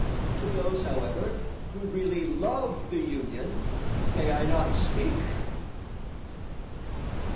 To those, however, who really love the Union may I not speak?